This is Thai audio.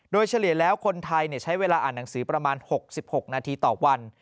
โดยเฉลี่ยแล้วคนไทยใช้เวลาอ่านหนังสือประมาณ๖๖นาทีต่อวัน